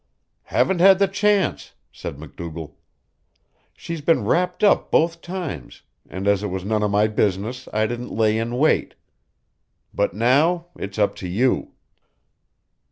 "Haven't had the chance," said MacDougall. "She's been wrapped up both times, and as it was none of my business I didn't lay in wait. But now it's up to you!"